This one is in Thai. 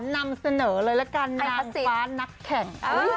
นำเสนอเลยละกันนักฟ้านักแข่ง